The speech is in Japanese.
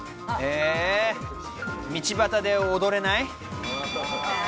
道端で踊れない。